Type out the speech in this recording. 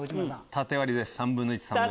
縦割りで３分の１。